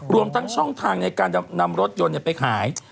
รวมทั้งช่องทางในการนำรถยนต์ไปขาย